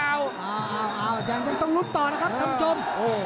อ้าวแดงจะต้องลุบต่อนะครับคำชม